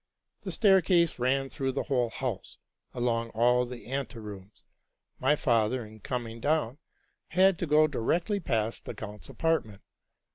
The stair case ran through the whole house, along all the ante rooms. My father, in coming down, had to go directly past the count's apartment.